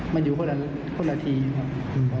มาอยู่คนละทีค่ะ